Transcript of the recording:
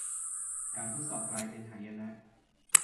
การทดสอบกลายเป็นหายนะ